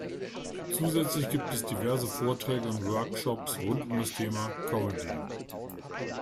Zusätzlich gibt es diverse Vorträge und Workshops rund um das Thema „Comedy“.